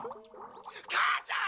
母ちゃん！？